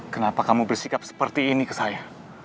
kenapa kamu bersikap seperti ini ke saya